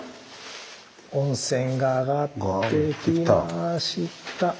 温泉が上がってきました。